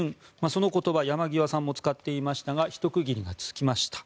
その言葉、山際さんも使っていましたがひと区切りがつきました。